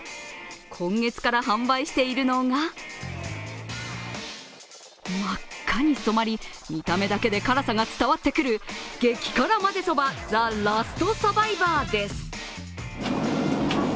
今月から販売しているのが真っ赤に染まり、見た目だけで辛さが伝わってくる激辛まぜそばＴＨＥＬＡＳＴＳＵＲＶＩＶＯＲです。